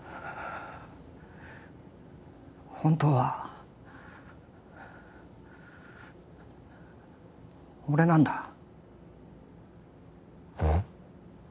本当は俺なんだうん？